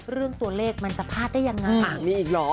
เรื่องตัวเลขมันจะพลาดได้ยังไงอ่ะมีอีกเหรอ